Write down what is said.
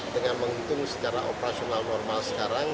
dengan menghitung secara operasional normal sekarang